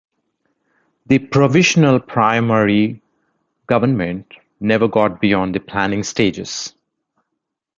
The Provisional Priamurye Government never got beyond the planning stages.